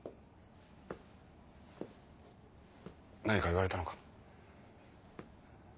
何か言われたのか？